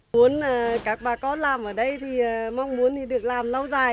muốn các bà con làm ở đây thì mong muốn thì được làm lâu dài